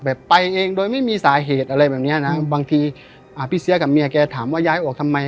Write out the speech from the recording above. ไปเองโดยไม่มีสาเหตุอะไรแบบเนี้ยนะบางทีอ่าพี่เสียกับเมียแกถามว่าย้ายออกทำไม